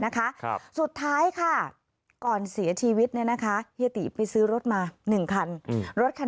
นะคะครับสุดท้ายค่ะก่อนเสียชีวิตเนี่ยนะคะคิดเลยซื้อรถมา๑ครั้งรสค่ะ